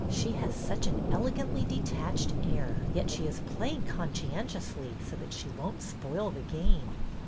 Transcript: '' She has such an elegantly detached air, yet she is playing con scientiously so that she won't spoil the game."